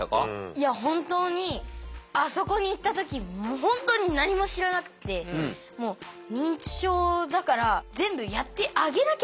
いや本当にあそこに行った時本当に何も知らなくてもう認知症だから全部やってあげなきゃって思ってたんです。